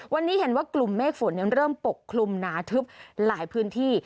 วันนี้เห็นว่ากลุ่มเมฆฝนยังเริ่มปกคลุมหนาทึบหลายพื้นที่